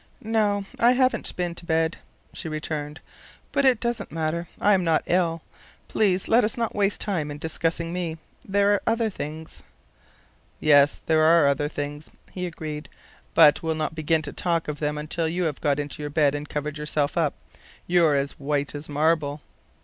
"No, I haven't been to bed," she returned. "But it doesn't matter. I am not ill. Please let us not waste time in discussing me. There are other things." "Yes, there are other things," he agreed. "But we'll not begin to talk of them until you have got into bed and covered yourself up. You're as white as marble."